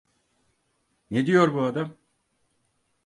Ne diyor bu adam?